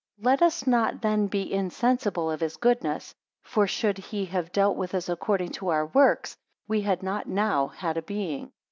7 Let us not then be insensible of his goodness; for should he have dealt with us according to our works, we had not now had a being.